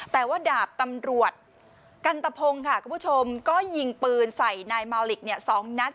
แต่ว่าดาบตำรวจกันตะพงค่ะคุณผู้ชมก็ยิงปืนใส่นายมาวลิกเนี่ย๒นัด